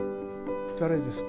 誰ですか？